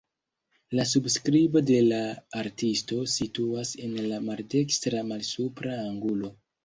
La subskribo de la artisto situas en la maldekstra malsupra angulo.